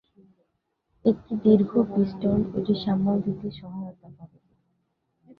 একটি দীর্ঘ পিস্টন এটি সামাল দিতে সহায়তা করে।